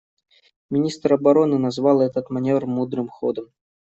Министр обороны назвал этот маневр мудрым ходом.